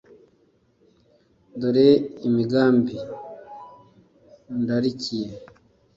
dore imigambi ndarikiye